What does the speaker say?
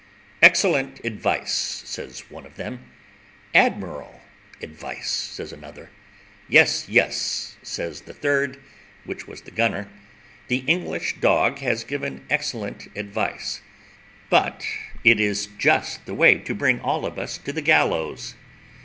"Excellent advice," says one of them. "Admirable advice," says another. "Yes, yes," says the third (which was the gunner), "the English dog has given excellent advice; but it is just the way to bring us all to the gallows.